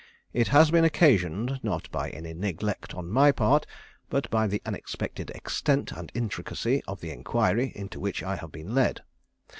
It has been occasioned, not by any neglect on my part, but by the unexpected extent and intricacy of the enquiry into which I have been led.